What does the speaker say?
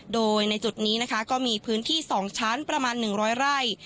โดยในจุดนี้นะคะก็มีพื้นที่๒ชั้นประมาณ๑๐๐ไร่